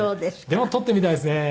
でも捕ってみたいですね。